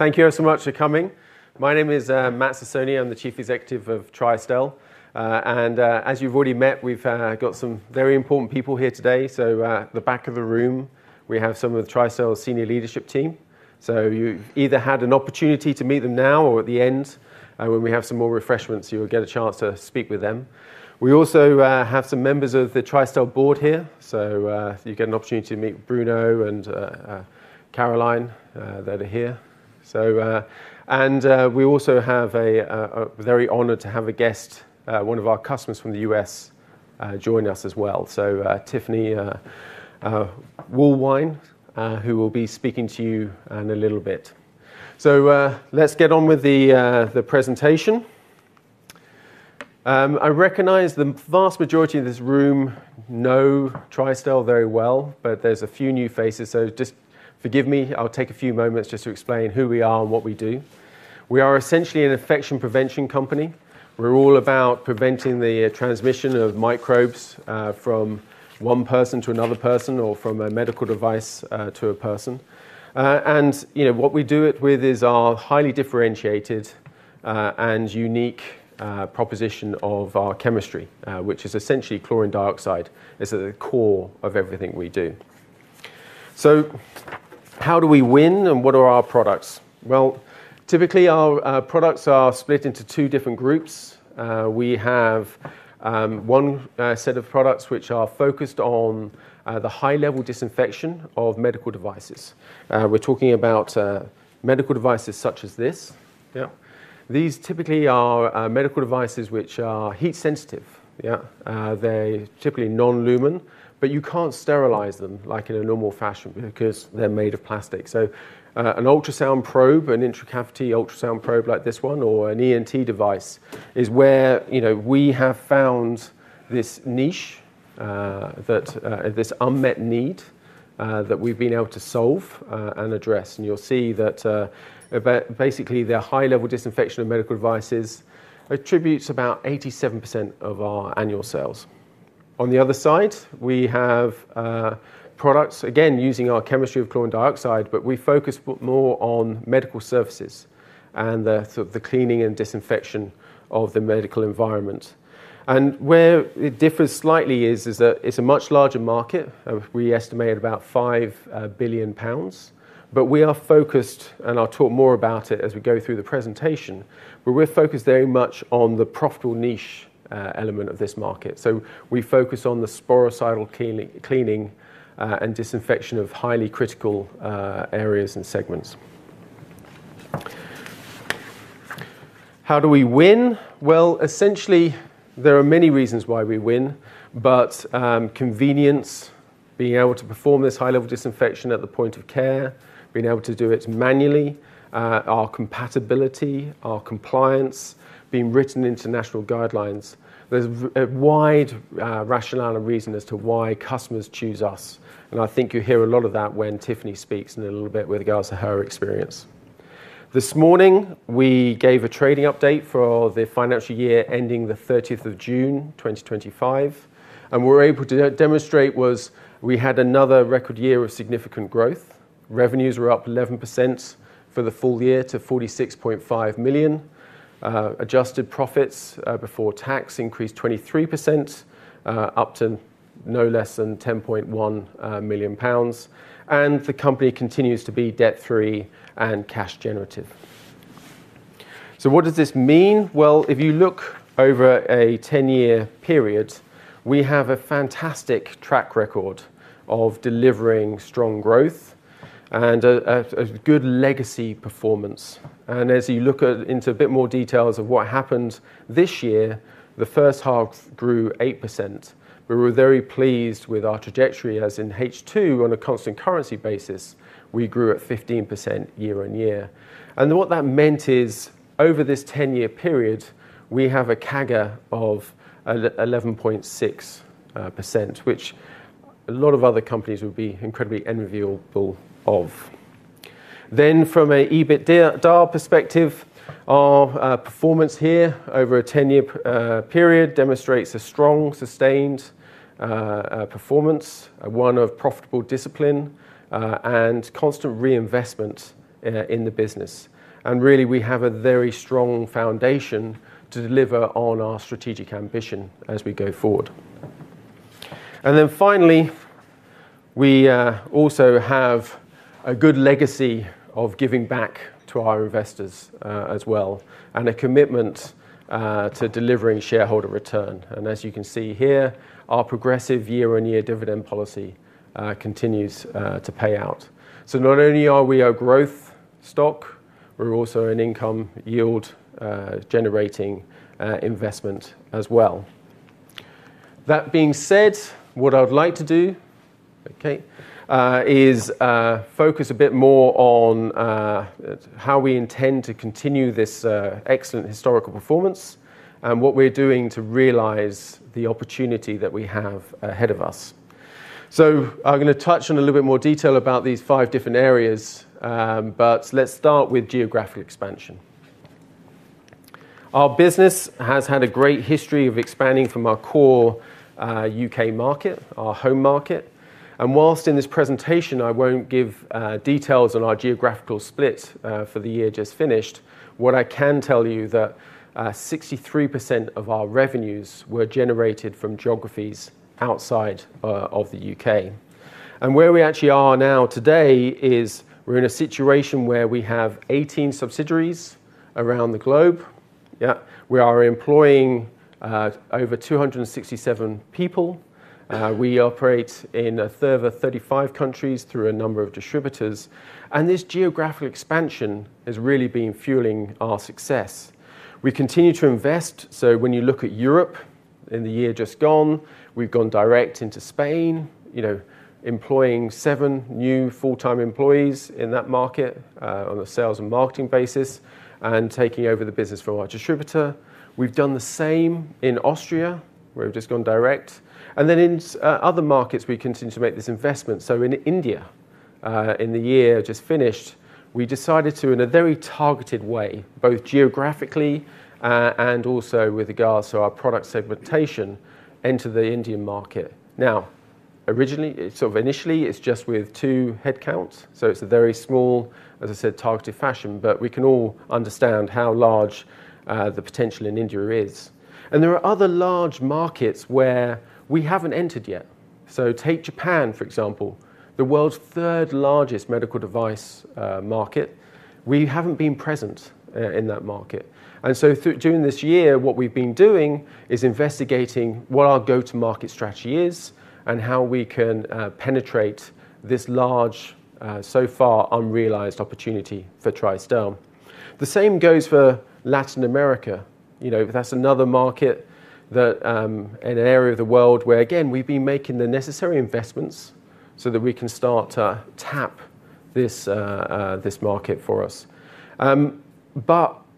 Thank you all so much for coming. My name is Matt Sassone. I'm the Chief Executive of Tristel. As you've already met, we've got some very important people here today. At the back of the room, we have some of Tristel's senior leadership team. You've either had an opportunity to meet them now or at the end when we have some more refreshments, you'll get a chance to speak with them. We also have some members of the Tristel board here. You get an opportunity to meet Bruno and Caroline that are here. We also have a very great honor to have a guest, one of our customers from the U.S., join us as well. Tiffany, who will be speaking to you in a little bit. Let's get on with the presentation. I recognize the vast majority of this room know Tristel very well, but there's a few new faces. Just forgive me, I'll take a few moments just to explain who we are and what we do. We are essentially an infection prevention company. We're all about preventing the transmission of microbes from one person to another person or from a medical device to a person. What we do it with is our highly differentiated and unique proposition of our chemistry, which is essentially chlorine dioxide, is at the core of everything we do. How do we win and what are our products? Typically our products are split into two different groups. We have one set of products which are focused on the high-level disinfection of medical devices. We're talking about medical devices such as this. These typically are medical devices which are heat sensitive. They're typically non-lumen, but you can't sterilize them like in a normal fashion because they're made of plastic. An ultrasound probe, an intracavity ultrasound probe like this one, or an ENT device is where we have found this niche, this unmet need that we've been able to solve and address. You'll see that basically the high-level disinfection of medical devices attributes about 87% of our annual sales. On the other side, we have products again using our chemistry of chlorine dioxide, but we focus more on medical surfaces and the cleaning and disinfection of the medical environment. Where it differs slightly is it's a much larger market. We estimate about £5 billion, but we are focused and I'll talk more about it as we go through the presentation, but we're focused very much on the profitable niche element of this market. So, we focus on the sporocidal cleaning and disinfection of highly critical areas and segments. How do we win? Essentially, there are many reasons why we win, but convenience, being able to perform this high-level disinfection at the point of care, being able to do it manually, our compatibility, our compliance, being written in international guidelines. There's a wide rationale and reason as to why customers choose us. I think you hear a lot of that when Tiffany speaks in a little bit with regards to her experience. This morning, we gave a trading update for the financial year ending the 30th of June 2025. We're able to demonstrate we had another record year of significant growth. Revenues were up 11% for the full year to £46.5 million. Adjusted profits before tax increased 23% up to no less than £10.1 million. The company continues to be debt-free and cash generative. What does this mean? If you look over a 10-year period, we have a fantastic track record of delivering strong growth and a good legacy performance. As you look into a bit more details of what happened this year, the first half grew 8%. We were very pleased with our trajectory as in H2 on a constant currency basis. We grew at 15% year on year. What that meant is over this 10-year period, we have a CAGR of 11.6%, which a lot of other companies would be incredibly enviable of. From an EBITDA perspective, our performance here over a 10-year period demonstrates a strong sustained performance, one of profitable discipline and constant reinvestment in the business. We have a very strong foundation to deliver on our strategic ambition as we go forward. Finally, we also have a good legacy of giving back to our investors as well and a commitment to delivering shareholder return. As you can see here, our progressive year-on-year dividend policy continues to pay out. Not only are we a growth stock, we're also an income yield generating investment as well. That being said, what I'd like to do is focus a bit more on how we intend to continue this excellent historical performance and what we're doing to realize the opportunity that we have ahead of us. I'm going to touch on a little bit more detail about these five different areas, but let's start with geographic expansion. Our business has had a great history of expanding from our core UK market, our home market. Whilst in this presentation, I won't give details on our geographical split for the year just finished, what I can tell you is that 63% of our revenues were generated from geographies outside of the UK. Where we actually are now today is we're in a situation where we have 18 subsidiaries around the globe. We are employing over 267 people. We operate in a third of 35 countries through a number of distributors, and this geographic expansion has really been fueling our success. We continue to invest. When you look at Europe in the year just gone, we've gone direct into Spain, employing seven new full-time employees in that market on a sales and marketing basis and taking over the business from our distributor. We've done the same in Austria, where we've just gone direct. In other markets, we continue to make this investment. In India, in the year just finished, we decided to, in a very targeted way, both geographically and also with regards to our product segmentation, enter the Indian market. Originally, it's just with two headcounts. It's a very small, as I said, targeted fashion, but we can all understand how large the potential in India is. There are other large markets where we haven't entered yet. Take Japan, for example, the world's third largest medical device market. We haven't been present in that market. During this year, what we've been doing is investigating what our go-to-market strategy is and how we can penetrate this large, so far unrealized opportunity for Tristel. The same goes for Latin America. That's another market in an area of the world where, again, we've been making the necessary investments so that we can start to tap this market for us.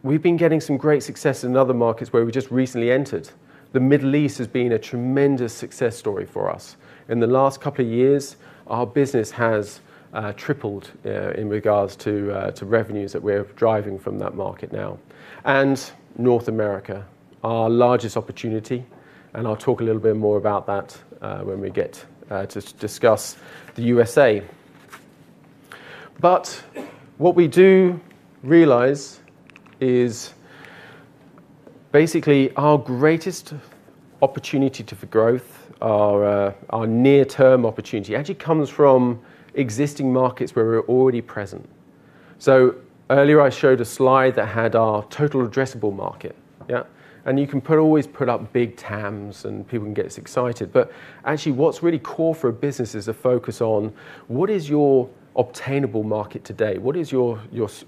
We've been getting some great success in other markets where we just recently entered. The Middle East has been a tremendous success story for us. In the last couple of years, our business has tripled in regards to revenues that we're driving from that market now. North America, our largest opportunity, and I'll talk a little bit more about that when we get to discuss the U.S. What we do realize is basically our greatest opportunity for growth, our near-term opportunity, actually comes from existing markets where we're already present. Earlier I showed a slide that had our total addressable market. Yeah, and you can always put up big TAMs and people can get excited, but actually what's really core for a business is a focus on what is your obtainable market today? What is your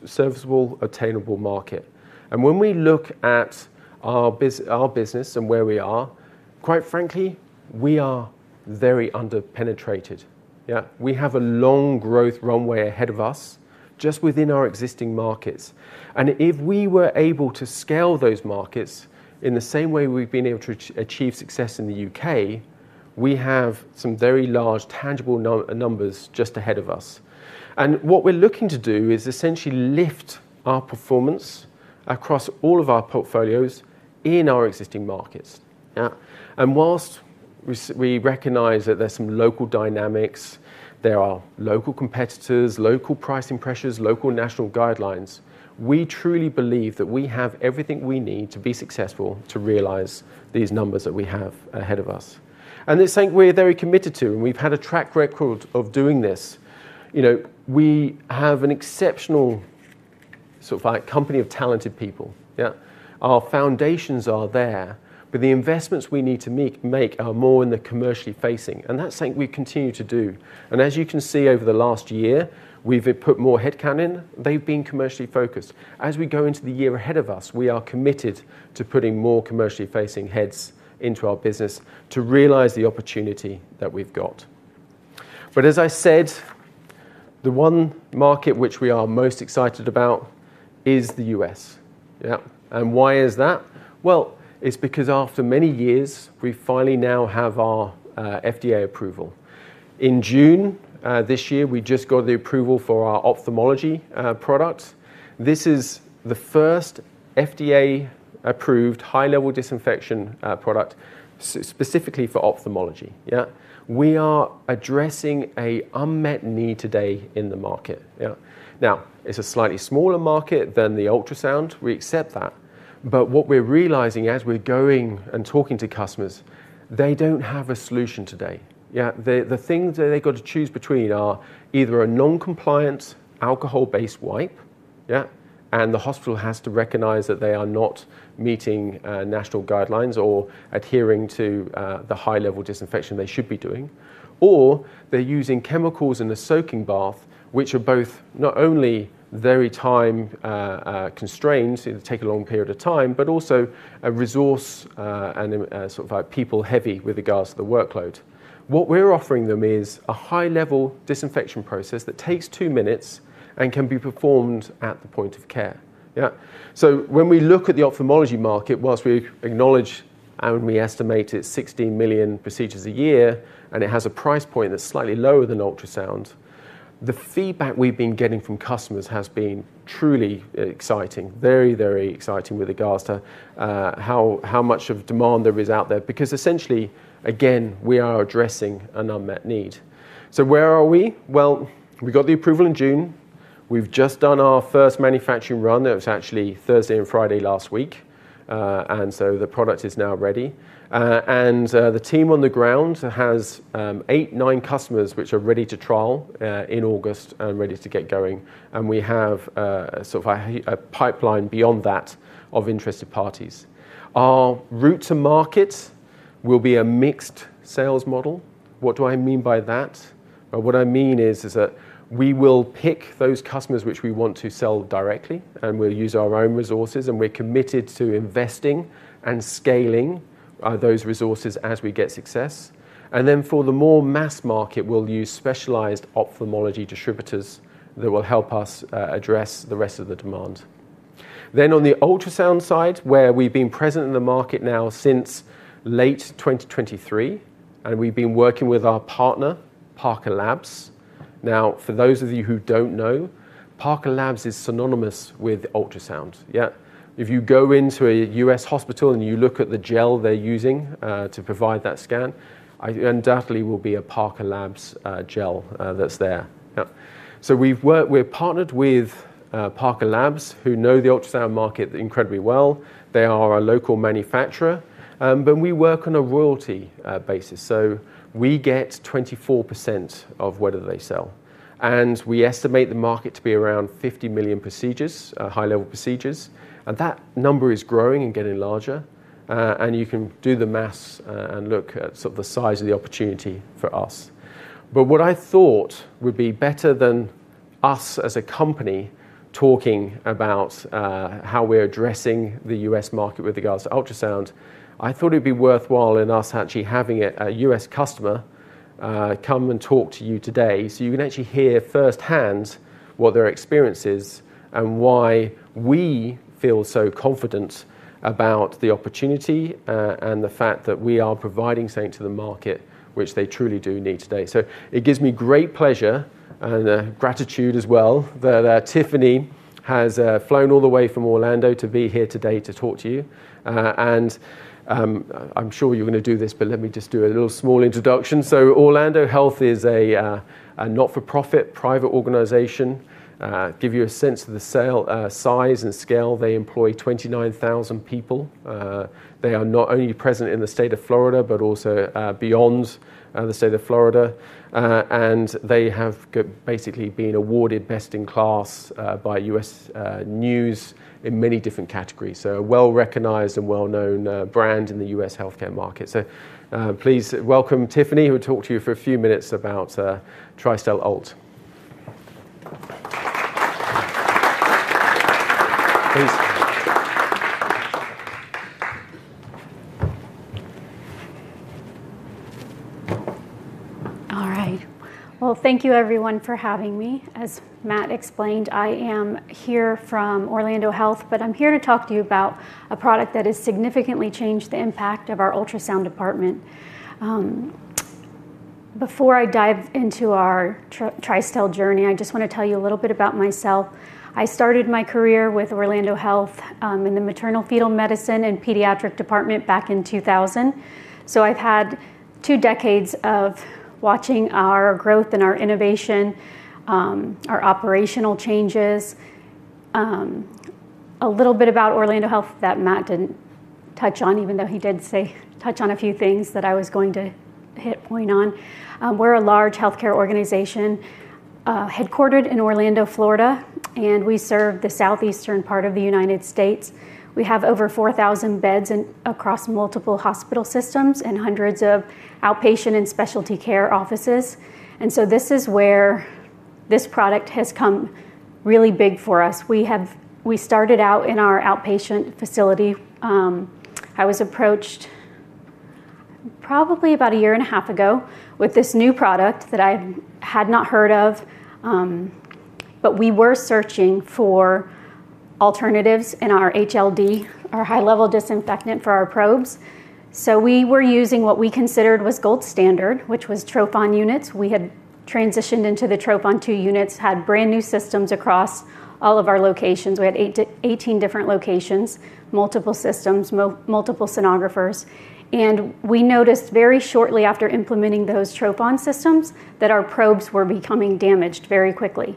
serviceable, attainable market? When we look at our business and where we are, quite frankly, we are very underpenetrated. We have a long growth runway ahead of us just within our existing markets. If we were able to scale those markets in the same way we've been able to achieve success in the UK, we have some very large tangible numbers just ahead of us. What we're looking to do is essentially lift our performance across all of our portfolios in our existing markets. Whilst we recognize that there's some local dynamics, there are local competitors, local pricing pressures, local national guidelines, we truly believe that we have everything we need to be successful to realize these numbers that we have ahead of us. This thing we're very committed to, and we've had a track record of doing this. We have an exceptional sort of like company of talented people. Our foundations are there, but the investments we need to make are more in the commercially facing. That's something we continue to do. As you can see over the last year, we've put more headcount in. They've been commercially focused. As we go into the year ahead of us, we are committed to putting more commercially facing heads into our business to realize the opportunity that we've got. As I said, the one market which we are most excited about is the U.S. It's because after many years, we finally now have our FDA approval. In June this year, we just got the approval for our ophthalmology products. This is the first FDA-approved high-level disinfection product specifically for ophthalmology. We are addressing an unmet need today in the market. Now it's a slightly smaller market than the ultrasound. We accept that. What we're realizing as we're going and talking to customers, they don't have a solution today. The things that they've got to choose between are either a non-compliant alcohol-based wipe, and the hospital has to recognize that they are not meeting national guidelines or adhering to the high-level disinfection they should be doing, or they're using chemicals in a soaking bath, which are both not only very time constrained to take a long period of time, but also a resource and sort of people-heavy with regards to the workload. What we're offering them is a high-level disinfection process that takes two minutes and can be performed at the point of care. When we look at the ophthalmology market, whilst we acknowledge and we estimate it's 16 million procedures a year, and it has a price point that's slightly lower than ultrasound, the feedback we've been getting from customers has been truly exciting, very, very exciting with regards to how much of demand there is out there, because essentially, again, we are addressing an unmet need. Where are we? We got the approval in June. We've just done our first manufacturing run. That was actually Thursday and Friday last week. The product is now ready, and the team on the ground has eight, nine customers which are ready to trial in August and ready to get going. We have a pipeline beyond that of interested parties. Our route to market will be a mixed sales model. What do I mean by that? What I mean is that we will pick those customers which we want to sell directly, and we'll use our own resources, and we're committed to investing and scaling those resources as we get success. For the more mass market, we'll use specialized ophthalmology distributors that will help us address the rest of the demand. On the ultrasound side, where we've been present in the market now since late 2023, we've been working with our partner, Parker Laboratories Inc. For those of you who don't know, Parker Laboratories Inc. is synonymous with ultrasound. If you go into a U.S. hospital and you look at the gel they're using to provide that scan, it undoubtedly will be a Parker Laboratories Inc. gel that's there. We've partnered with Parker Laboratories Inc., who know the ultrasound market incredibly well. They are a local manufacturer, but we work on a royalty basis. We get 24% of what they sell. We estimate the market to be around 50 million procedures, high-level procedures, and that number is growing and getting larger. You can do the maths and look at the size of the opportunity for us. What I thought would be better than us as a company talking about how we're addressing the U.S. market with regards to ultrasound, I thought it'd be worthwhile in us actually having a U.S. customer come and talk to you today. You can actually hear firsthand what their experience is and why we feel so confident about the opportunity and the fact that we are providing something to the market, which they truly do need today. It gives me great pleasure and gratitude as well that Tiffany has flown all the way from Orlando to be here today to talk to you. I'm sure you're going to do this, but let me just do a little small introduction. Orlando Health is a not-for-profit private organization. To give you a sense of the sale size and scale, they employ 29,000 people. They are not only present in the state of Florida, but also beyond the state of Florida. They have basically been awarded best in class by U.S. News in many different categories. A well-recognized and well-known brand in the U.S. healthcare market. Please welcome Tiffany, who will talk to you for a few minutes about Tristel ULT. All right. Thank you everyone for having me. As Matt explained, I am here from Orlando Health, but I'm here to talk to you about a product that has significantly changed the impact of our ultrasound department. Before I dive into our Tristel journey, I just want to tell you a little bit about myself. I started my career with Orlando Health in the maternal fetal medicine and pediatric department back in 2000. I've had two decades of watching our growth and our innovation, our operational changes. A little bit about Orlando Health that Matt didn't touch on, even though he did say touch on a few things that I was going to hit point on. We're a large healthcare organization headquartered in Orlando, Florida, and we serve the southeastern part of the United States. We have over 4,000 beds across multiple hospital systems and hundreds of outpatient and specialty care offices. This is where this product has come really big for us. We started out in our outpatient facility. I was approached probably about a year and a half ago with this new product that I had not heard of, but we were searching for alternatives in our HLD, our high-level disinfectant for our probes. We were using what we considered was gold standard, which was Tropon units. We had transitioned into the Tropon II units, had brand new systems across all of our locations. We had 18 different locations, multiple systems, multiple sonographers. We noticed very shortly after implementing those Tropon systems that our probes were becoming damaged very quickly.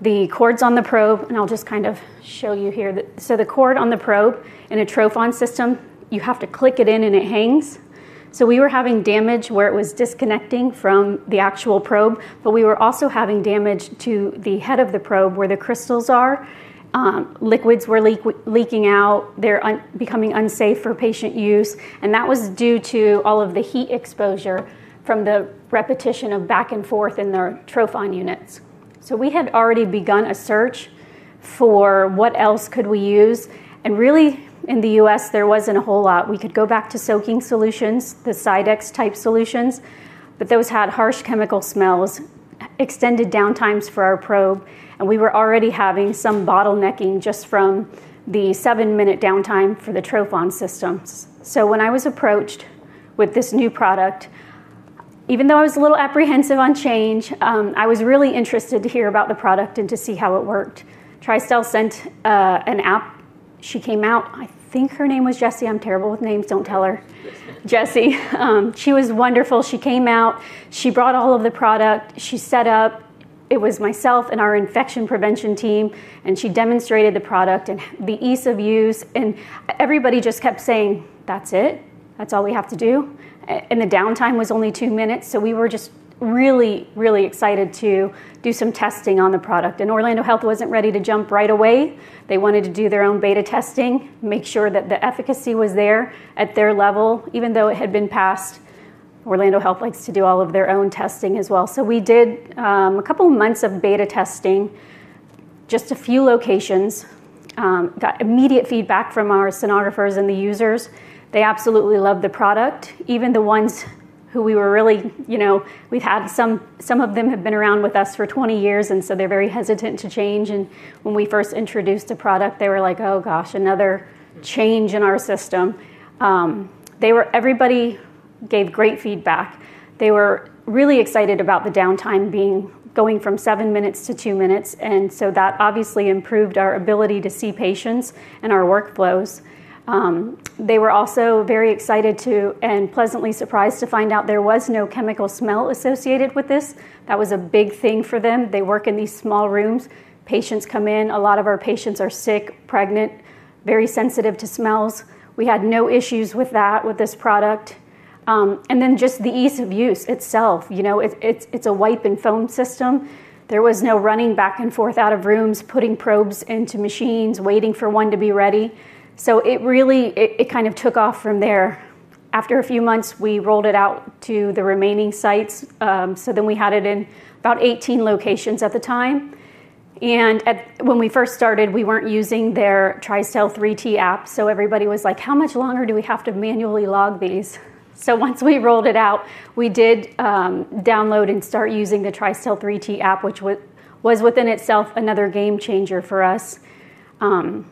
The cords on the probe, and I'll just kind of show you here, so the cord on the probe in a Tropon system, you have to click it in and it hangs. We were having damage where it was disconnecting from the actual probe, but we were also having damage to the head of the probe where the crystals are. Liquids were leaking out. They're becoming unsafe for patient use. That was due to all of the heat exposure from the repetition of back and forth in the Tropon units. We had already begun a search for what else could we use. In the U.S., there wasn't a whole lot. We could go back to soaking solutions, the Sidex type solutions, but those had harsh chemical smells, extended downtimes for our probe, and we were already having some bottlenecking just from the seven-minute downtime for the Tropon systems. When I was approached with this new product, even though I was a little apprehensive on change, I was really interested to hear about the product and to see how it worked. Tristel sent an app. She came out. I think her name was Jesse. I'm terrible with names. Don't tell her. Jesse. She was wonderful. She came out. She brought all of the product. She set up. It was myself and our Infection Prevention team, and she demonstrated the product and the ease of use. Everybody just kept saying, "That's it. That's all we have to do." The downtime was only two minutes. We were just really, really excited to do some testing on the product. Orlando Health wasn't ready to jump right away. They wanted to do their own beta testing, make sure that the efficacy was there at their level, even though it had been passed. Orlando Health likes to do all of their own testing as well. We did a couple of months of beta testing, just a few locations. Got immediate feedback from our sonographers and the users. They absolutely loved the product. Even the ones who were really, you know, we've had some, some of them have been around with us for 20 years, and so they're very hesitant to change. When we first introduced the product, they were like, "Oh gosh, another change in our system." Everybody gave great feedback. They were really excited about the downtime being going from seven minutes to two minutes. That obviously improved our ability to see patients and our workflows. They were also very excited to and pleasantly surprised to find out there was no chemical smell associated with this. That was a big thing for them. They work in these small rooms. Patients come in. A lot of our patients are sick, pregnant, very sensitive to smells. We had no issues with that, with this product. The ease of use itself, you know, it's a wipe and foam system. There was no running back and forth out of rooms, putting probes into machines, waiting for one to be ready. It really, it kind of took off from there. After a few months, we rolled it out to the remaining sites. We had it in about 18 locations at the time. When we first started, we weren't using their Tristel 3T app. Everybody was like, "How much longer do we have to manually log these?" Once we rolled it out, we did download and start using the Tristel 3T app, which was within itself another game changer for us. You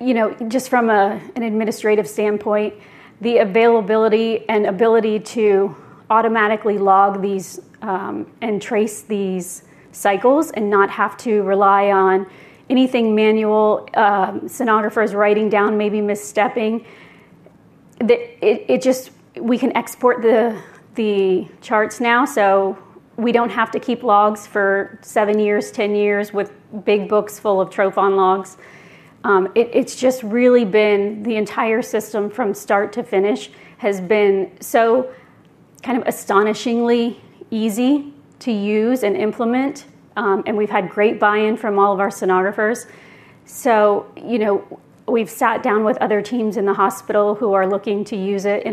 know, just from an administrative standpoint, the availability and ability to automatically log these and trace these cycles and not have to rely on anything manual, sonographers writing down, maybe misstepping. We can export the charts now. We don't have to keep logs for seven years, 10 years with big books full of Tropon logs. It's just really been the entire system from start to finish has been so kind of astonishingly easy to use and implement. We've had great buy-in from all of our sonographers. We've sat down with other teams in the hospital who are looking to use it,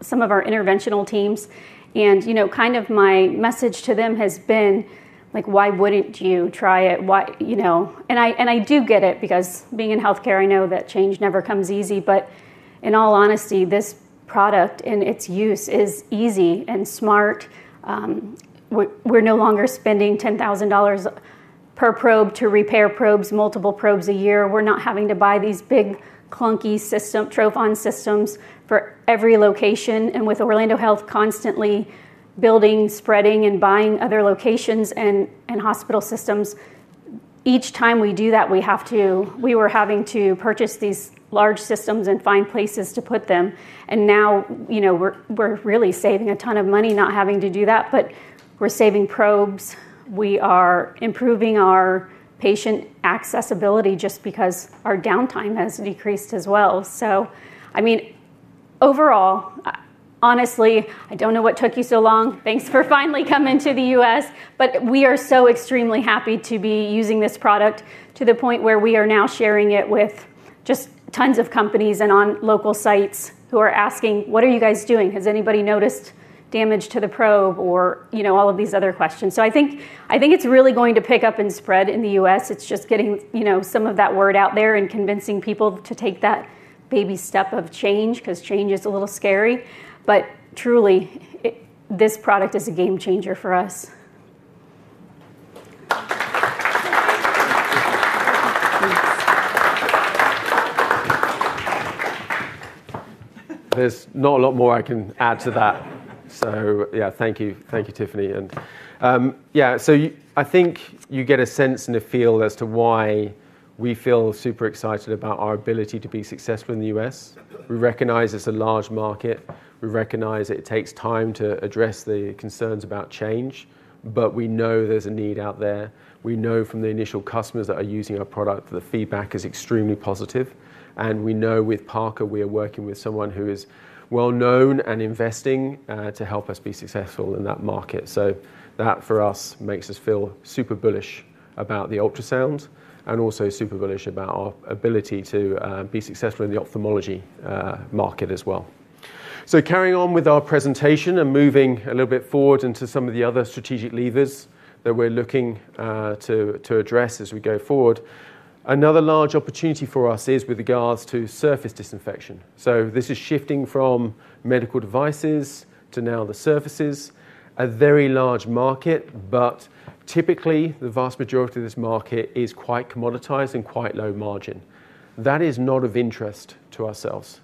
some of our interventional teams. My message to them has been like, "Why wouldn't you try it?" I do get it because being in healthcare, I know that change never comes easy. In all honesty, this product and its use is easy and smart. We're no longer spending $10,000 per probe to repair probes, multiple probes a year. We're not having to buy these big clunky Tropon systems for every location. With Orlando Health constantly building, spreading, and buying other locations and hospital systems, each time we do that, we were having to purchase these large systems and find places to put them. Now, we're really saving a ton of money not having to do that, but we're saving probes. We are improving our patient accessibility just because our downtime has decreased as well. Overall, honestly, I don't know what took you so long. Thanks for finally coming to the US. We are so extremely happy to be using this product to the point where we are now sharing it with just tons of companies and on local sites who are asking, "What are you guys doing? Has anybody noticed damage to the probe?" or all of these other questions. I think it's really going to pick up and spread in the US. It's just getting some of that word out there and convincing people to take that baby step of change because change is a little scary. Truly, this product is a game changer for us. There's not a lot more I can add to that. Thank you. Thank you, Tiffany. I think you get a sense and a feel as to why we feel super excited about our ability to be successful in the U.S. We recognize it's a large market. We recognize it takes time to address the concerns about change, but we know there's a need out there. We know from the initial customers that are using our product, the feedback is extremely positive. We know with Parker, we are working with someone who is well known and investing to help us be successful in that market. That for us makes us feel super bullish about the ultrasound and also super bullish about our ability to be successful in the ophthalmology market as well. Carrying on with our presentation and moving a little bit forward into some of the other strategic levers that we're looking to address as we go forward, another large opportunity for us is with regards to surface disinfection. This is shifting from medical devices to now the surfaces, a very large market, but typically the vast majority of this market is quite commoditized and quite low margin. That is not of interest to ourselves.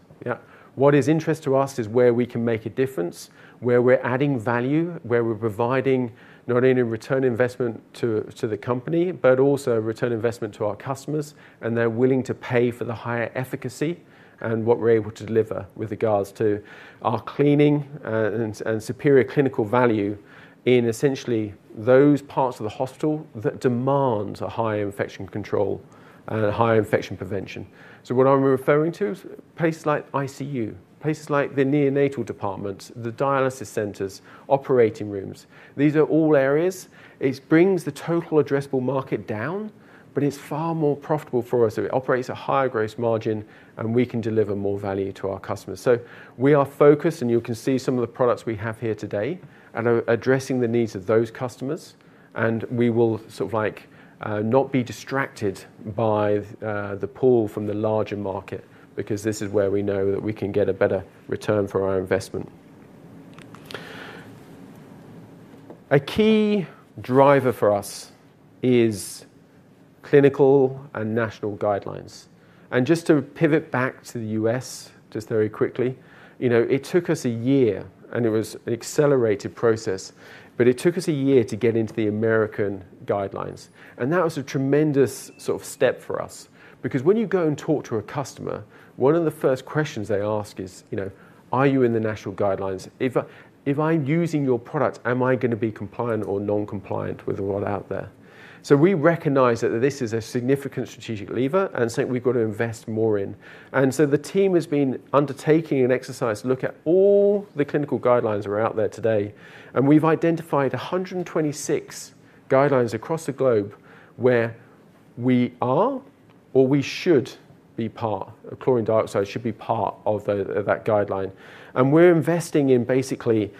What is of interest to us is where we can make a difference, where we're adding value, where we're providing not only return investment to the company, but also return investment to our customers, and they're willing to pay for the higher efficacy and what we're able to deliver with regards to our cleaning and superior clinical value in essentially those parts of the hospital that demand a higher infection control and a higher infection prevention. What I'm referring to is places like ICU, places like the neonatal departments, the dialysis centers, operating rooms. These are all areas. It brings the total addressable market down, but it's far more profitable for us. It operates at a higher gross margin and we can deliver more value to our customers. We are focused, and you can see some of the products we have here today and are addressing the needs of those customers. We will not be distracted by the pull from the larger market because this is where we know that we can get a better return for our investment. A key driver for us is clinical and national guidelines. Just to pivot back to the U.S. very quickly, it took us a year, and it was an accelerated process, but it took us a year to get into the American guidelines. That was a tremendous sort of step for us because when you go and talk to a customer, one of the first questions they ask is, you know, are you in the national guidelines? If I'm using your product, am I going to be compliant or non-compliant with what's out there? We recognize that this is a significant strategic lever and something we've got to invest more in. The team has been undertaking an exercise to look at all the clinical guidelines that are out there today. We've identified 126 guidelines across the globe where we are or we should be part of, chlorine dioxide should be part of that guideline. We're investing in basically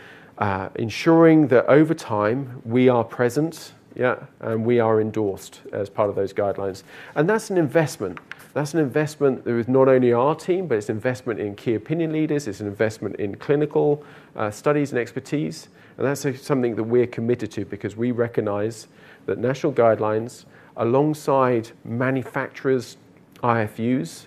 ensuring that over time we are present, yeah, and we are endorsed as part of those guidelines. That's an investment. That's an investment that was not only our team, but it's an investment in key opinion leaders. It's an investment in clinical studies and expertise. That's something that we're committed to because we recognize that national guidelines alongside manufacturers' IFUs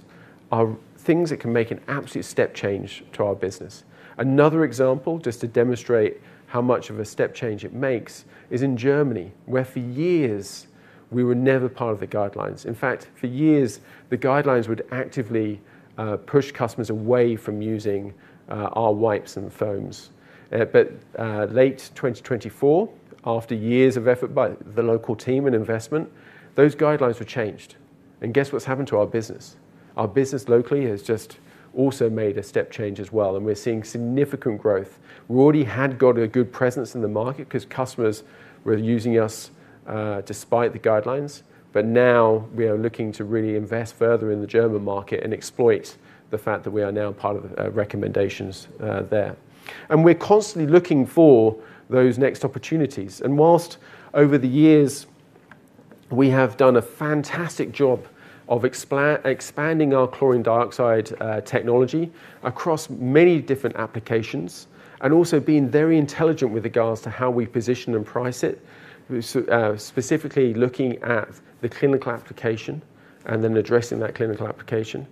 are things that can make an absolute step change to our business. Another example just to demonstrate how much of a step change it makes is in Germany, where for years we were never part of the guidelines. In fact, for years, the guidelines would actively push customers away from using our wipes and foams. Late 2024, after years of effort by the local team and investment, those guidelines were changed. Guess what's happened to our business? Our business locally has just also made a step change as well, and we're seeing significant growth. We already had got a good presence in the market because customers were using us despite the guidelines. Now we are looking to really invest further in the German market and exploit the fact that we are now part of the recommendations there. We're constantly looking for those next opportunities. Whilst over the years we have done a fantastic job of expanding our chlorine dioxide technology across many different applications and also being very intelligent with regards to how we position and price it, we're specifically looking at the clinical application and then addressing that clinical application.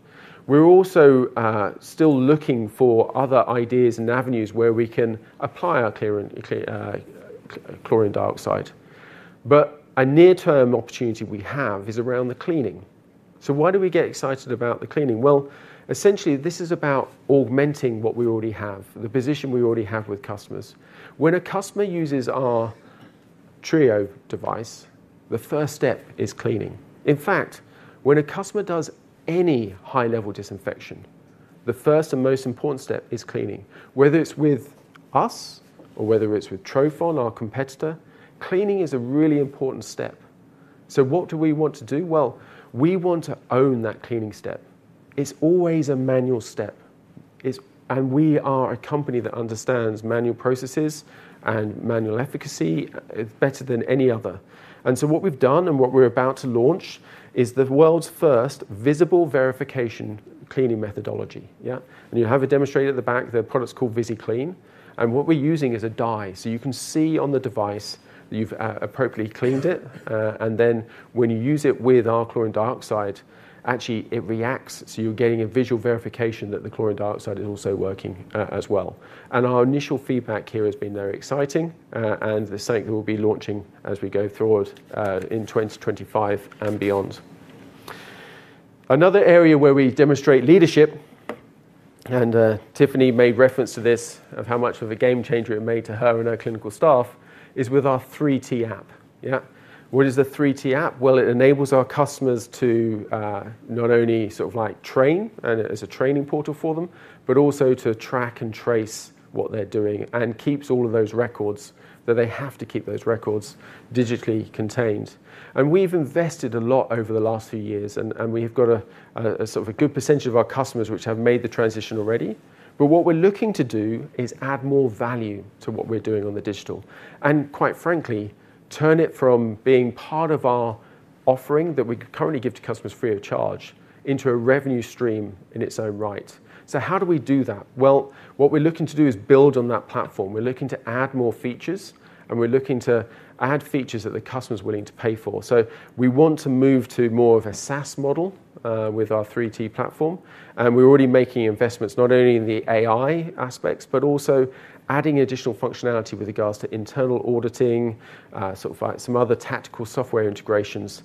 We're also still looking for other ideas and avenues where we can apply our chlorine dioxide. A near-term opportunity we have is around the cleaning. Why do we get excited about the cleaning? Essentially, this is about augmenting what we already have, the position we already have with customers. When a customer uses our Trio device, the first step is cleaning. In fact, when a customer does any high-level disinfection, the first and most important step is cleaning. Whether it's with us or whether it's with Tropon, our competitor, cleaning is a really important step. What do we want to do? We want to own that cleaning step. It's always a manual step. We are a company that understands manual processes and manual efficacy. It's better than any other. What we've done and what we're about to launch is the world's first visible verification cleaning methodology. You have a demonstration at the back. The product's called VisiClean. What we're using is a dye, so you can see on the device that you've appropriately cleaned it. When you use it with our chlorine dioxide, it actually reacts, so you're getting a visual verification that the chlorine dioxide is also working as well. Our initial feedback here has been very exciting. The site will be launching as we go forward in 2025 and beyond. Another area where we demonstrate leadership, and Tiffany made reference to this of how much of a game changer it made to her and her clinical staff, is with our 3T app. What is the 3T app? It enables our customers to not only sort of like train and as a training portal for them, but also to track and trace what they're doing and keeps all of those records that they have to keep those records digitally contained. We've invested a lot over the last few years, and we've got a sort of a good percentage of our customers which have made the transition already. What we're looking to do is add more value to what we're doing on the digital and, quite frankly, turn it from being part of our offering that we currently give to customers free of charge into a revenue stream in its own right. How do we do that? What we're looking to do is build on that platform. We're looking to add more features, and we're looking to add features that the customer's willing to pay for. We want to move to more of a SaaS model with our 3T platform. We're already making investments not only in the AI aspects, but also adding additional functionality with regards to internal auditing, like some other tactical software integrations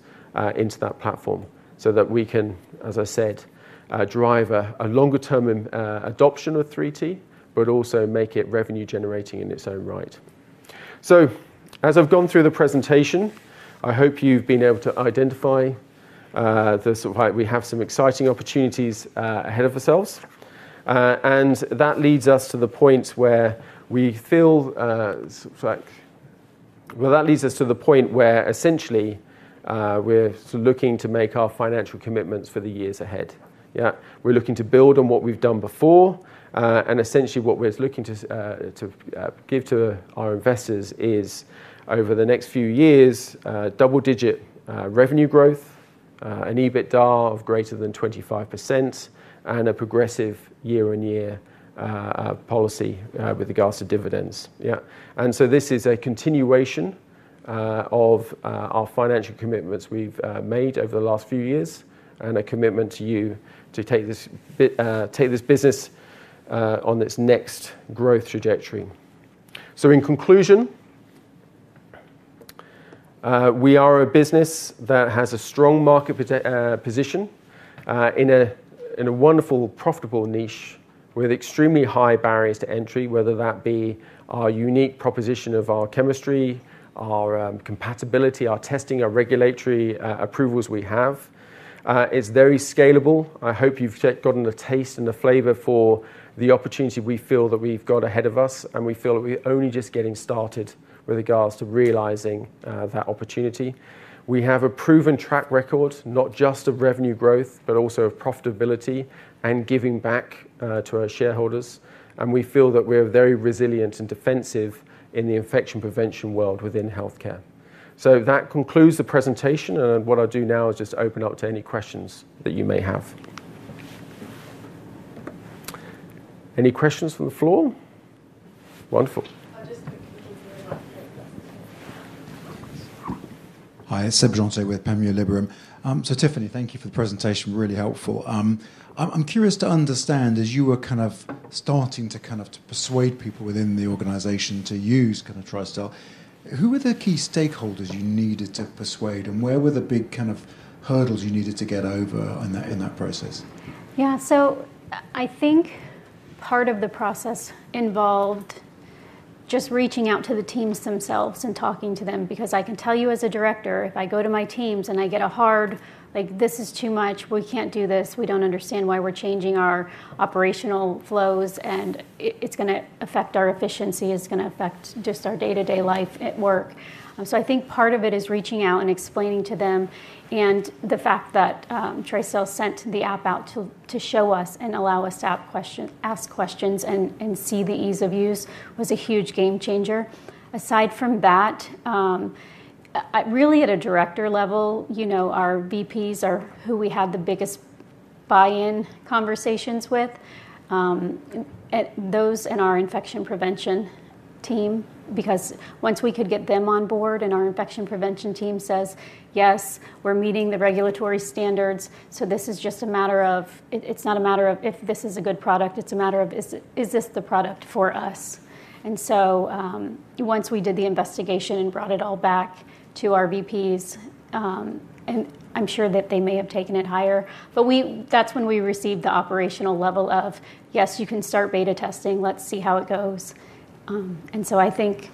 into that platform so that we can, as I said, drive a longer-term adoption of 3T, but also make it revenue generating in its own right. As I've gone through the presentation, I hope you've been able to identify the fact we have some exciting opportunities ahead of ourselves. That leads us to the point where we feel like we're sort of looking to make our financial commitments for the years ahead. We're looking to build on what we've done before. Essentially, what we're looking to give to our investors is over the next few years, double-digit revenue growth, an EBITDA of greater than 25%, and a progressive year-on-year policy with regards to dividends. This is a continuation of our financial commitments we've made over the last few years and a commitment to you to take this business on its next growth trajectory. In conclusion, we are a business that has a strong market position in a wonderful, profitable niche with extremely high barriers to entry, whether that be our unique proposition of our chemistry, our compatibility, our testing, or the regulatory approvals we have. It's very scalable. I hope you've gotten a taste and a flavor for the opportunity we feel that we've got ahead of us, and we feel that we're only just getting started with regards to realizing that opportunity. We have a proven track record, not just of revenue growth, but also of profitability and giving back to our shareholders. We feel that we're very resilient and defensive in the infection prevention world within healthcare. That concludes the presentation. What I'll do now is just open up to any questions that you may have. Any questions from the floor? Wonderful. Hi, it's Seb Johnson with Premier Liberum. Tiffany, thank you for the presentation. Really helpful. I'm curious to understand, as you were starting to persuade people within the organization to use Tristel, who were the key stakeholders you needed to persuade, and where were the big hurdles you needed to get over in that process? I think part of the process involved just reaching out to the teams themselves and talking to them, because I can tell you as a Director, if I go to my teams and I get a hard, like, this is too much, we can't do this, we don't understand why we're changing our operational flows, and it's going to affect our efficiency, it's going to affect just our day-to-day life at work. I think part of it is reaching out and explaining to them, and the fact that Tristel sent the app out to show us and allow us to ask questions and see the ease of use was a huge game changer. Aside from that, really at a Director level, our VPs are who we have the biggest buy-in conversations with, those in our infection prevention team, because once we could get them on board and our infection prevention team says, yes, we're meeting the regulatory standards, so this is just a matter of, it's not a matter of if this is a good product, it's a matter of, is this the product for us? Once we did the investigation and brought it all back to our VPs, and I'm sure that they may have taken it higher, that's when we received the operational level of, yes, you can start beta testing, let's see how it goes. I think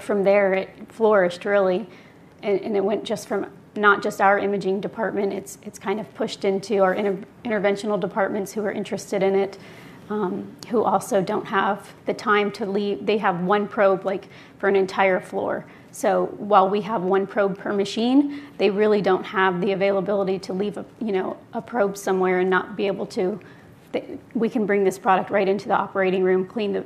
from there it flourished really, and it went from not just our imaging department, it's kind of pushed into our interventional departments who are interested in it, who also don't have the time to leave. They have one probe for an entire floor. While we have one probe per machine, they really don't have the availability to leave a probe somewhere and not be able to, we can bring this product right into the operating room, clean the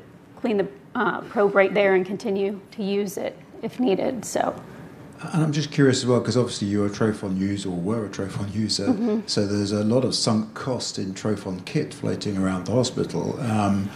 probe right there and continue to use it if needed. I'm just curious as well, because obviously you're a Tropon user or were a Tropon user, so there's a lot of sunk cost in Tropon kit floating around the hospital. I'm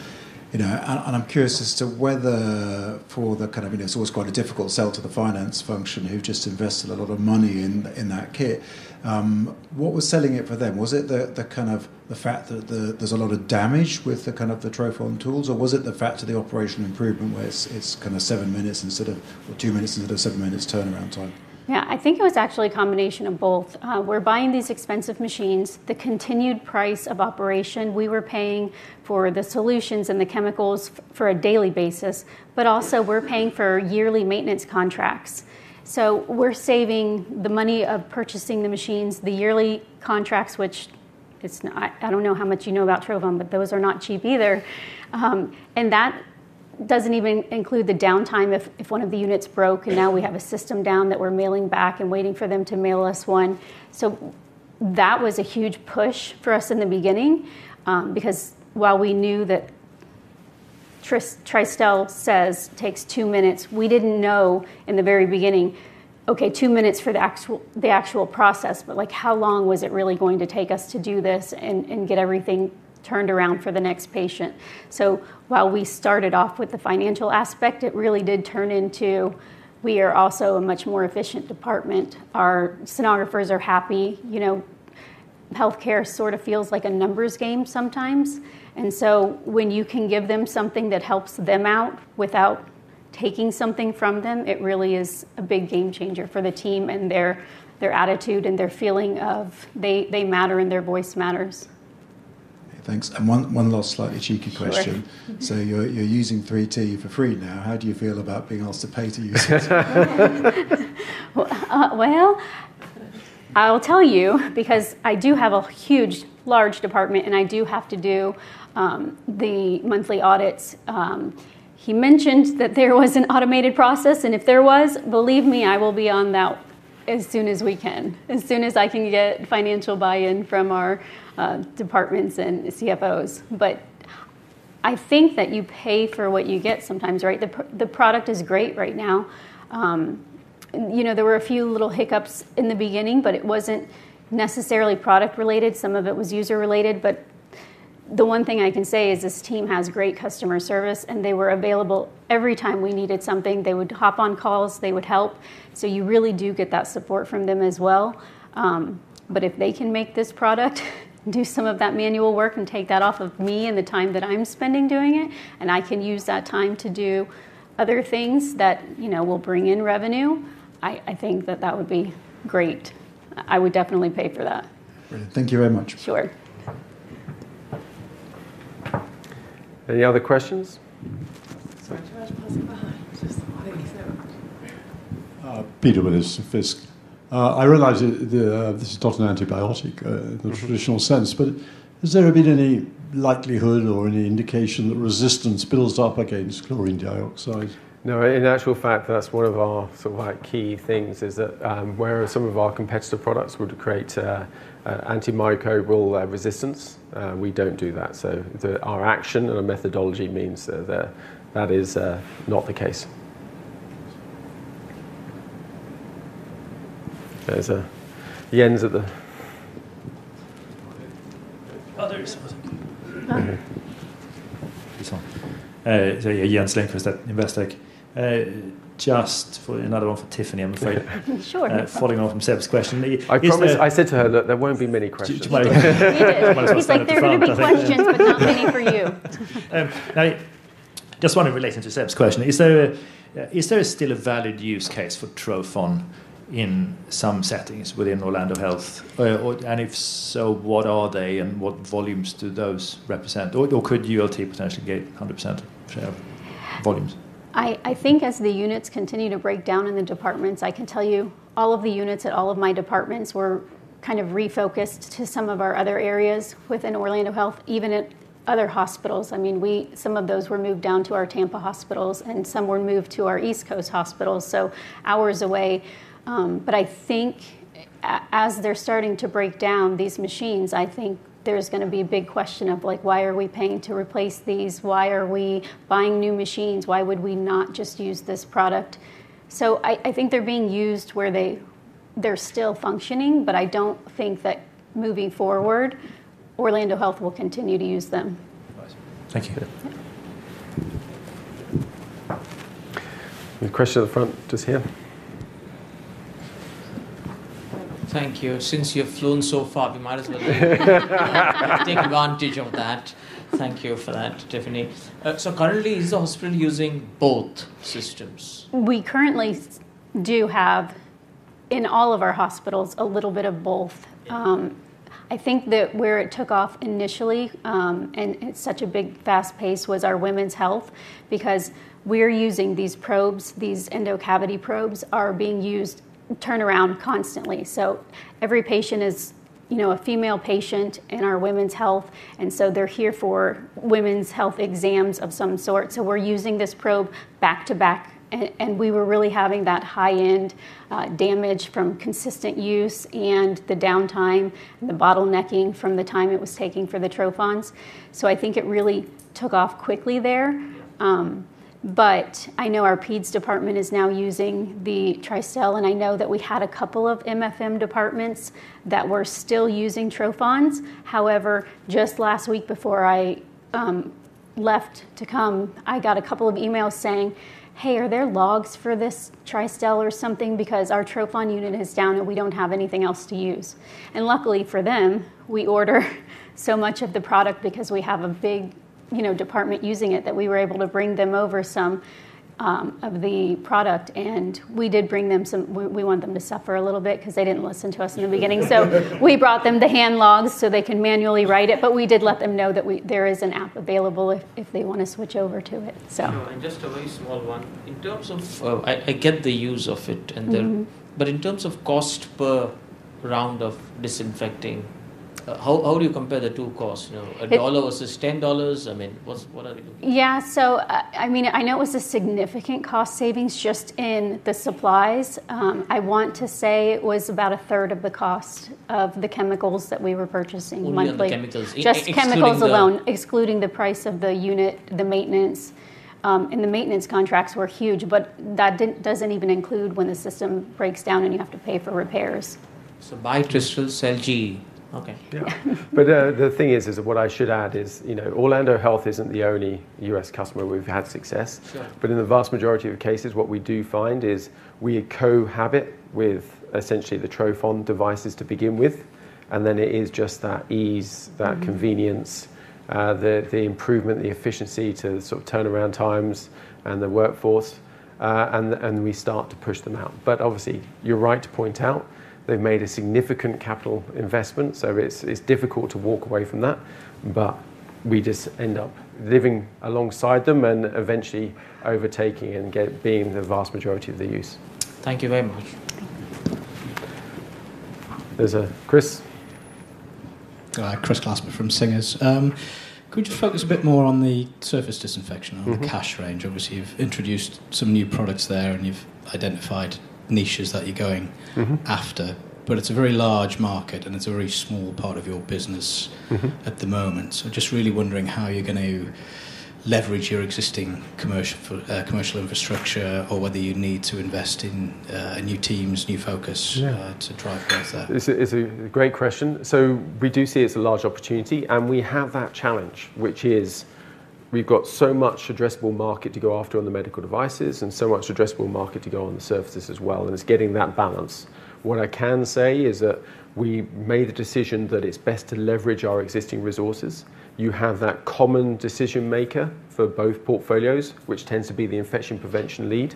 curious as to whether for the kind of, you know, it's always quite a difficult sell to the finance function who've just invested a lot of money in that kit. What was selling it for them? Was it the fact that there's a lot of damage with the Tropon tools, or was it the fact of the operational improvement where it's kind of seven minutes instead of, or two minutes instead of seven minutes turnaround time? Yeah, I think it was actually a combination of both. We're buying these expensive machines, the continued price of operation. We were paying for the solutions and the chemicals on a daily basis, but also we're paying for yearly maintenance contracts. We're saving the money of purchasing the machines, the yearly contracts, which I don't know how much you know about Tropon, but those are not cheap either. That doesn't even include the downtime if one of the units broke, and now we have a system down that we're mailing back and waiting for them to mail us one. That was a huge push for us in the beginning, because while we knew that Tristel says it takes two minutes, we didn't know in the very beginning, okay, two minutes for the actual process, but like how long was it really going to take us to do this and get everything turned around for the next patient? While we started off with the financial aspect, it really did turn into we are also a much more efficient department. Our sonographers are happy. You know, healthcare sort of feels like a numbers game sometimes. When you can give them something that helps them out without taking something from them, it really is a big game changer for the team and their attitude and their feeling of they matter and their voice matters. Thank you. One last slightly cheeky question. You're using the Tristel 3T app for free now. How do you feel about being asked to pay to use it? I do have a huge, large department and I do have to do the monthly audits. He mentioned that there was an automated process. If there was, believe me, I will be on that as soon as we can, as soon as I can get financial buy-in from our departments and CFOs. I think that you pay for what you get sometimes, right? The product is great right now. There were a few little hiccups in the beginning, but it wasn't necessarily product-related. Some of it was user-related. The one thing I can say is this team has great customer service and they were available every time we needed something. They would hop on calls, they would help. You really do get that support from them as well. If they can make this product do some of that manual work and take that off of me and the time that I'm spending doing it, and I can use that time to do other things that will bring in revenue, I think that that would be great. I would definitely pay for that. Thank you very much. Sure. Any other questions? Sorry if I was passing behind. Just a moment. Thank you so much. Peter with SFisk. I realize that this is not an antibiotic in the traditional sense, but has there been any likelihood or any indication that resistance builds up against chlorine dioxide? No, in actual fact, that's one of our sort of key things is that where some of our competitor products would create an antimicrobial resistance, we don't do that. Our action and our methodology means that that is not the case. There's a, the ends of the... Yes, Jens Lindqvist, Investech. Just another one for Tiffany, I'm afraid. Sure. Following on from Seb's question. I promise I said to her that there won't be many questions. She's like, "There's a question for the company for you. Just one in relation to Seb's question. Is there still a valid use case for Tropon in some settings within Orlando Health? If so, what are they and what volumes do those represent? Could ULT potentially get 100% share volumes? I think as the units continue to break down in the departments, I can tell you all of the units at all of my departments were kind of refocused to some of our other areas within Orlando Health, even at other hospitals. Some of those were moved down to our Tampa hospitals and some were moved to our East Coast hospitals, hours away. I think as they're starting to break down these machines, there's going to be a big question of why are we paying to replace these? Why are we buying new machines? Why would we not just use this product? I think they're being used where they're still functioning, but I don't think that moving forward, Orlando Health will continue to use them. Thank you. We have a question at the front, just here. Thank you. Since you've flown so far, we might as well take advantage of that. Thank you for that, Tiffany. Currently, is the hospital using both systems? We currently do have in all of our hospitals a little bit of both. I think that where it took off initially, and it's such a big fast pace, was our women's health because we're using these probes. These endocavity probes are being used turnaround constantly. Every patient is, you know, a female patient in our women's health. They're here for women's health exams of some sort, so we're using this probe back to back. We were really having that high-end damage from consistent use and the downtime and the bottlenecking from the time it was taking for the Tropon units. I think it really took off quickly there. I know our peds department is now using the Tristel, and I know that we had a couple of MFM departments that were still using Tropon units. However, just last week before I left to come, I got a couple of emails saying, "Hey, are there logs for this Tristel or something because our Tropon unit is down and we don't have anything else to use?" Luckily for them, we order so much of the product because we have a big, you know, department using it that we were able to bring them over some of the product. We did bring them some, we want them to suffer a little bit because they didn't listen to us in the beginning. We brought them the hand logs so they can manually write it, but we did let them know that there is an app available if they want to switch over to it. In terms of, I get the use of it and there, but in terms of cost per round of disinfecting, how do you compare the two costs? You know, a dollar versus $10? I mean, what are we looking at? Yeah, I mean, I know it was a significant cost savings just in the supplies. I want to say it was about a third of the cost of the chemicals that we were purchasing monthly. You mean the chemicals? Just chemicals alone, excluding the price of the unit and the maintenance. The maintenance contracts were huge, but that doesn't even include when the system breaks down and you have to pay for repairs. Buy Tristel, sell GE. Okay. What I should add is, you know, Orlando Health isn't the only U.S. customer we've had success with. In the vast majority of cases, what we do find is we co-habit with essentially the Tropon devices to begin with. It is just that ease, that convenience, the improvement, the efficiency to sort of turnaround times and the workforce, and we start to push them out. Obviously, you're right to point out they've made a significant capital investment. It's difficult to walk away from that. We just end up living alongside them and eventually overtaking and being the vast majority of the use. Thank you very much. There's a Chris. Hi, Chris Glassman from Singers. Could you focus a bit more on the surface disinfection or the Cache range? Obviously, you've introduced some new products there and you've identified niches that you're going after. It's a very large market and it's a very small part of your business at the moment. I'm just really wondering how you're going to leverage your existing commercial infrastructure or whether you need to invest in new teams, new focus to drive that. It's a great question. We do see it's a large opportunity and we have that challenge, which is we've got so much addressable market to go after on the medical devices and so much addressable market to go on the services as well. It's getting that balance. What I can say is that we made the decision that it's best to leverage our existing resources. You have that common decision maker for both portfolios, which tends to be the Infection Prevention lead.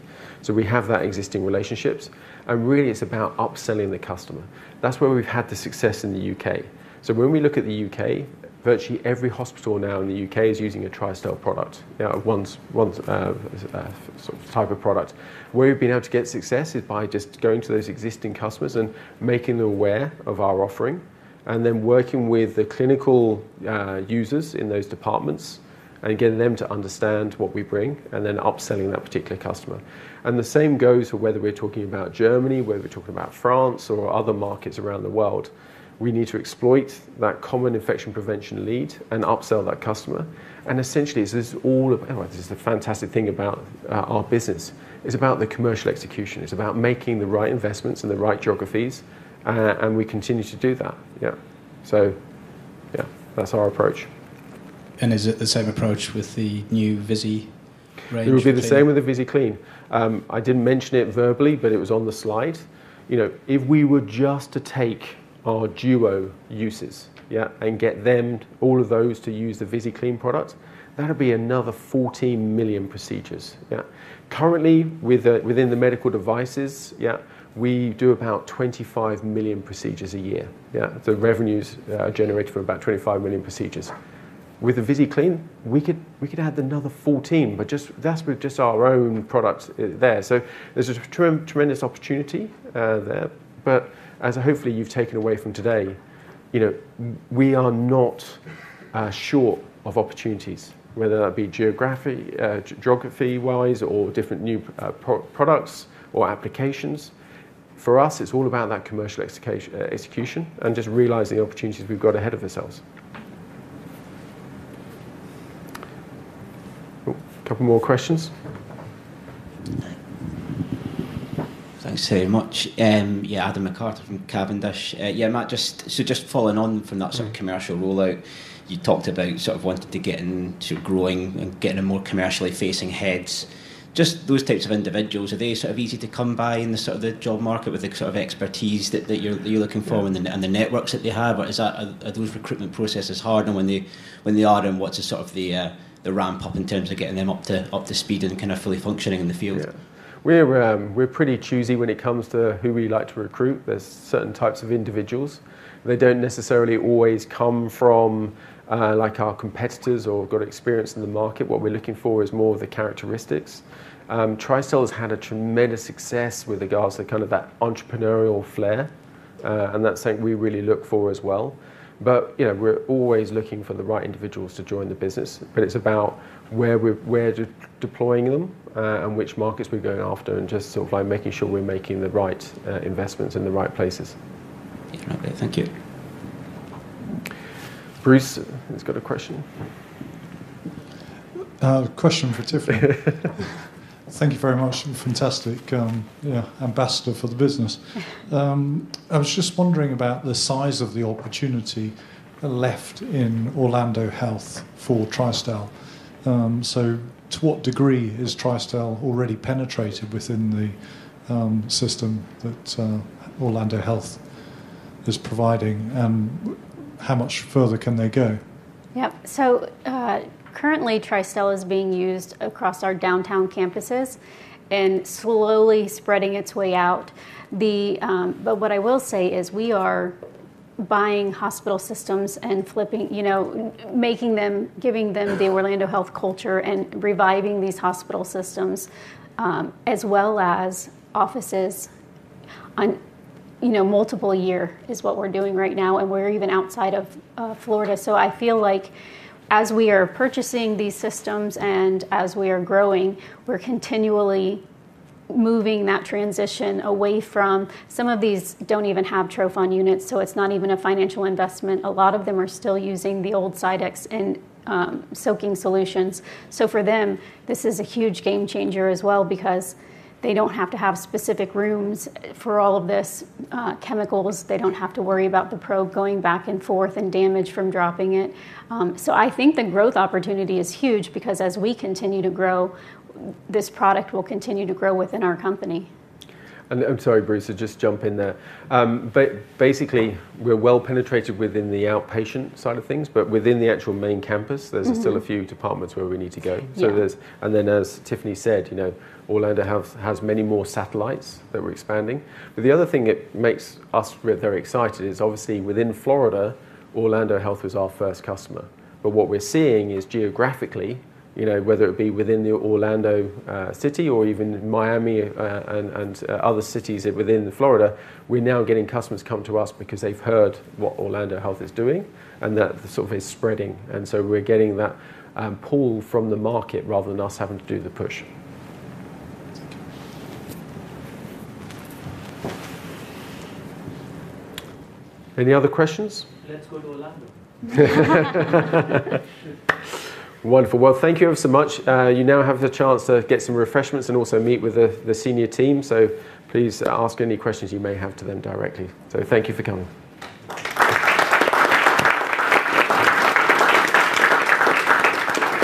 We have those existing relationships. Really, it's about upselling the customer. That's where we've had the success in the UK. When we look at the UK, virtually every hospital now in the UK is using a Tristel product, one sort of type of product. Where we've been able to get success is by just going to those existing customers and making them aware of our offering and then working with the clinical users in those departments and getting them to understand what we bring and then upselling that particular customer. The same goes for whether we're talking about Germany, whether we're talking about France or other markets around the world. We need to exploit that common Infection Prevention lead and upsell that customer. Essentially, this is all about, this is a fantastic thing about our business. It's about the commercial execution. It's about making the right investments in the right geographies. We continue to do that. Yeah. That's our approach. Is it the same approach with the new VisiClean range? It would be the same with the VisiClean. I didn't mention it verbally, but it was on the slide. You know, if we were just to take our Duo uses, yeah, and get all of those to use the VisiClean product, that'd be another 14 million procedures. Currently, within the medical devices, yeah, we do about 25 million procedures a year. Revenues are generated from about 25 million procedures. With the VisiClean, we could add another 14, but that's with just our own products there. There's a tremendous opportunity there. As hopefully you've taken away from today, you know, we are not short of opportunities, whether that be geography-wise or different new products or applications. For us, it's all about that commercial execution and just realizing the opportunities we've got ahead of ourselves. Couple more questions. Thanks very much. Yeah, Adam McArthur from Cavendish. Yeah, Matt, just following on from that sort of commercial rollout, you talked about wanting to get into growing and getting a more commercially facing heads. Just those types of individuals, are they easy to come by in the job market with the expertise that you're looking for and the networks that they have? Are those recruitment processes harder when they, Adam, want to ramp up in terms of getting them up to speed and kind of fully functioning in the field? Yeah, we're pretty choosy when it comes to who we like to recruit. There are certain types of individuals. They don't necessarily always come from our competitors or have experience in the market. What we're looking for is more of the characteristics. Tristel has had tremendous success with regards to that entrepreneurial flair. That's something we really look for as well. We're always looking for the right individuals to join the business. It's about where we're deploying them and which markets we're going after, just making sure we're making the right investments in the right places. Yeah, great. Thank you. Bruce has got a question. A question for Tiffany. Thank you very much. Fantastic. Yeah, ambassador for the business. I was just wondering about the size of the opportunity left in Orlando Health for Tristel. To what degree is Tristel already penetrated within the system that Orlando Health is providing? How much further can they go? Yep. Currently, Tristel is being used across our downtown campuses and slowly spreading its way out. What I will say is we are buying hospital systems and flipping, you know, making them, giving them the Orlando Health culture and reviving these hospital systems as well as offices on, you know, multiple years is what we're doing right now. We are even outside of Florida. I feel like as we are purchasing these systems and as we are growing, we're continually moving that transition away from some of these don't even have Tropon units. It's not even a financial investment. A lot of them are still using the old Sidex and soaking solutions. For them, this is a huge game changer as well because they don't have to have specific rooms for all of these chemicals. They don't have to worry about the probe going back and forth and damage from dropping it. I think the growth opportunity is huge because as we continue to grow, this product will continue to grow within our company. I'm sorry, Bruce, to just jump in there. Basically, we're well penetrated within the outpatient side of things, but within the actual main campus, there's still a few departments where we need to go. As Tiffany said, Orlando Health has many more satellites that we're expanding. The other thing that makes us very excited is obviously within Florida, Orlando Health is our first customer. What we're seeing is geographically, whether it be within the Orlando city or even Miami and other cities within Florida, we're now getting customers come to us because they've heard what Orlando Health is doing and that is spreading. We're getting that pull from the market rather than us having to do the push. Any other questions? Let's go to Orlando. Wonderful. Thank you ever so much. You now have the chance to get some refreshments and also meet with the Senior Team. Please ask any questions you may have to them directly. Thank you for coming.